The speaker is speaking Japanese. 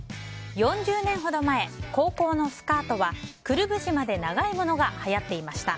４０年ほど前、高校のスカートはくるぶしまで長いものがはやっていました。